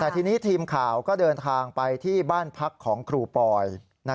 แต่ทีนี้ทีมข่าวก็เดินทางไปที่บ้านพักของครูปอย